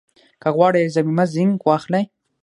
که غواړئ ضمیمه زېنک واخلئ